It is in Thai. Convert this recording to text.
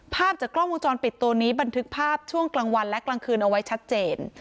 ภาพจากกล้องวงจรปิดตัวนี้บันทึกภาพช่วงกลางวันและกลางคืนเอาไว้ชัดเจน